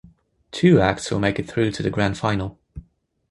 Two acts will make it through to the grand final.